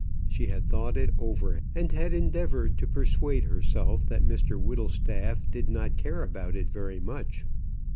She had thought it over, and had endeavoured to persuade herself that Mr Whittlestaff did not care about it very much.